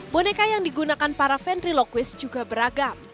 boneka yang digunakan para ventriloquist juga beragam